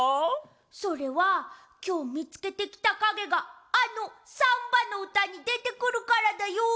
それはきょうみつけてきたかげがあのサンバのうたにでてくるからだよ！